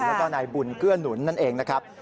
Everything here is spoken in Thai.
แล้วก็นายบุญเกื้อหนุนนั่นเองนะครับ